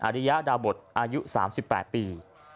ริยดาบทอายุ๓๘ปี